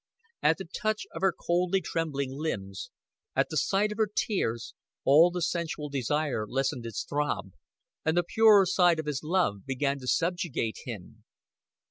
At the touch of her coldly trembling limbs, at the sight of her tears, all the sensual desire lessened its throb, and the purer side of his love began to subjugate him.